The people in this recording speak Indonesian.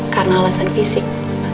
karena alasan fisik